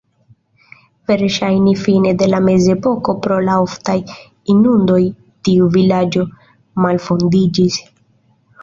Verŝajne fine de la mezepoko pro la oftaj inundoj tiu vilaĝo malfondiĝis.